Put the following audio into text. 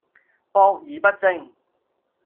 博而不精